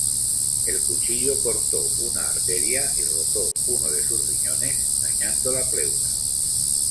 El cuchillo cortó una arteria y rozó uno de sus riñones, dañando la pleura.